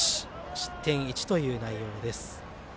失点１という内容です。